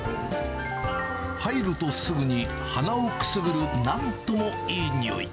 入るとすぐに鼻をくすぐるなんともいい匂い。